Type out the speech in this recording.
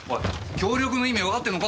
協力の意味わかってんのか？